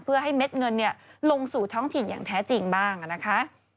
เพื่อให้เม็ดเงินลงสู่ท้องถิ่นอย่างแท้จริงบ้างนะคะ